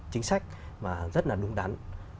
chính sách mà rất là đúng đắn